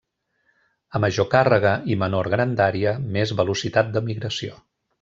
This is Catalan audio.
A major càrrega i menor grandària, més velocitat de migració.